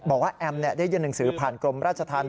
แอมได้ยื่นหนังสือผ่านกรมราชธรรม